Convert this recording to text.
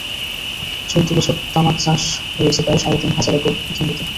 চলতি বছর তামাক চাষ হয়েছে প্রায় সাড়ে তিন হাজার একর জমিতে।